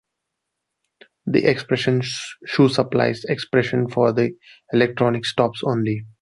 The expression shoe supplies expression for the electronic stops only.